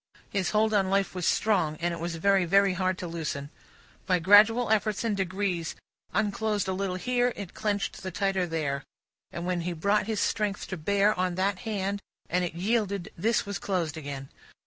His hold on life was strong, and it was very, very hard, to loosen; by gradual efforts and degrees unclosed a little here, it clenched the tighter there; and when he brought his strength to bear on that hand and it yielded, this was closed again.